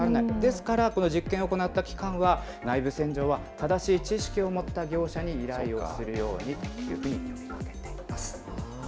ですからこの実験を行った期間は内部洗浄は正しい知識を持った業者に依頼をするようにというふうに呼びかけています。